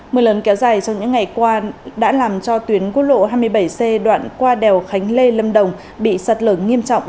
mưa lớn kéo dài trong những ngày qua đã làm cho tuyến quốc lộ hai mươi bảy c đoạn qua đèo khánh lê lâm đồng bị sạt lở nghiêm trọng